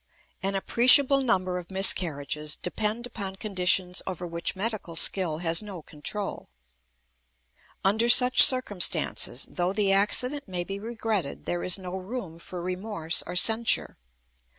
An appreciable number of miscarriages depend upon conditions over which medical skill has no control. Under such circumstances, though the accident may be regretted, there is no room for remorse or censure.